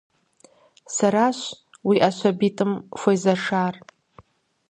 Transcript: Сэращ уи Ӏэ щабитӀым хуезэшар.